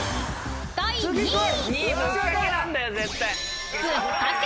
［第２位］